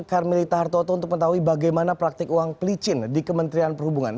karmelita hartoto untuk mengetahui bagaimana praktik uang pelicin di kementerian perhubungan